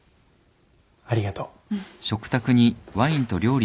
ありがとう。